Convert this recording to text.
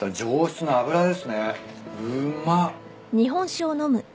うんまっ。